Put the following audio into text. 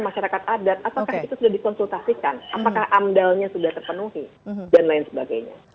masyarakat adat apakah itu sudah dikonsultasikan apakah amdalnya sudah terpenuhi dan lain sebagainya